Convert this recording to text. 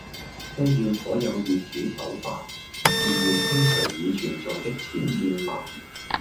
需要所有業主守法，自願清除已存在的僭建物